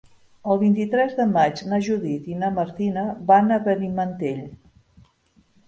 El vint-i-tres de maig na Judit i na Martina van a Benimantell.